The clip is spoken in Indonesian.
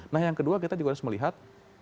nah yang kedua kita juga harus melihat